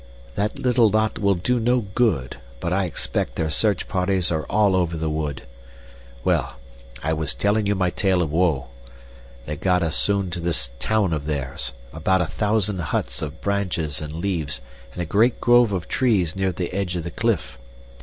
"That little lot will do no good, but I expect their search parties are all over the wood. Well, I was telling you my tale of woe. They got us soon to this town of theirs about a thousand huts of branches and leaves in a great grove of trees near the edge of the cliff.